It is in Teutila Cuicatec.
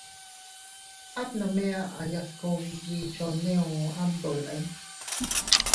At nome aʼaya se kugbi choneo am dolin.